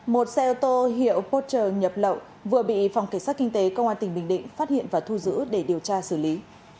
một xe ô tô hiệu poter nhập lậu vừa bị phòng cảnh sát kinh tế công an tỉnh bình định phát hiện và thu giữ để điều tra xử lý